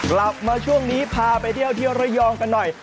กลับมาช่วงนี้พาไปเที่ยวที่ระยองกันหน่อย